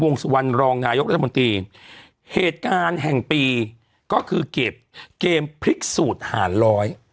สุวรรณรองนายกรัฐมนตรีเหตุการณ์แห่งปีก็คือเกมพลิกสูตรหารร้อย